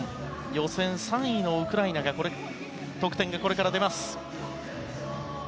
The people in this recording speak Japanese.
予選３位のウクライナの得点が出ます。